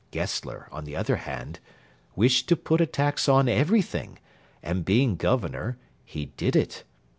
Gessler, on the other hand, wished to put a tax on everything, and, being Governor, he did it.